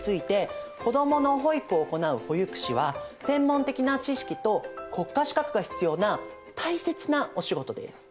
子どもの保育を行う保育士は専門的な知識と国家資格が必要な大切なお仕事です。